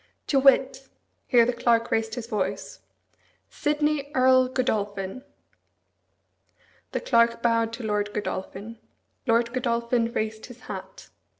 "To wit " Here the Clerk raised his voice. "Sidney Earl Godolphin." The Clerk bowed to Lord Godolphin. Lord Godolphin raised his hat.